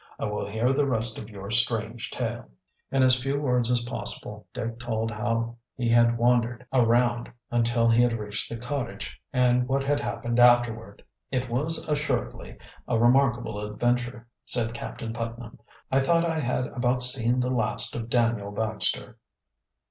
I will hear the rest of your strange tale." In as few words as possible Dick told how he had wandered around until he had reached the cottage, and what had happened afterward. "It was assuredly a remarkable adventure," said Captain Putnam. "I thought I had about seen the last of Daniel Baxter."